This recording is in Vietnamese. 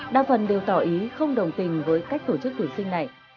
đa phần đều tỏ ý không đồng tình với cách tổ chức tuyển sinh này